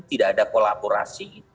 tidak ada kolaborasi